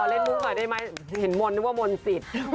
ขอเล่นมูกก่อนได้ไหมเห็นมนนึกว่ามนสิ